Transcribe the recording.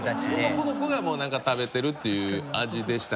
男の子がなんか食べてるっていう味でしたね。